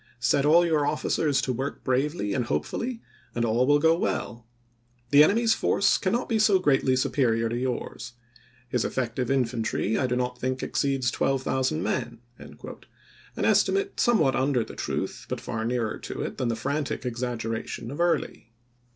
.. Set all your officers to work bravely and hopefully and all will go well. .. The enemy's force cannot be so greatly superior to yours. His effective infantry I do not think ex ceeds 12,000 men"; an estimate somewhat under the truth, but far nearer to it than the frantic ex aggeration of Early.